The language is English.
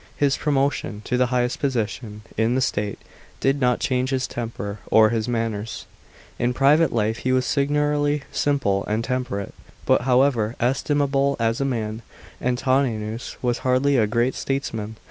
His pro motion to the highest position in the state did not change his temper or his manners. In private life he was singularly simple and temperate. But however estimable as a man, Antoninus was hardly a great statesman.